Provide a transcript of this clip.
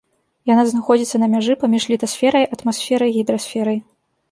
Яна знаходзіцца на мяжы паміж літасферай, атмасферай, гідрасферай.